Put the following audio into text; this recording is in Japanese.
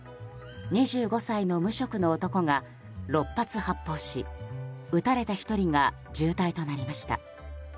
２５歳の無職の男が６発発砲し撃たれた１人が重体となりました。